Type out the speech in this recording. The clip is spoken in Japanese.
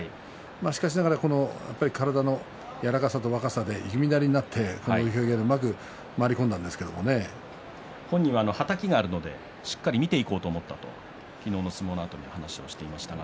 しかしながらやっぱり体の柔らかさと若さで弓なりになって土俵際本人は、はたきがあるのでしっかり見ていこうと思ったと昨日の相撲のあとに話をしていましたが。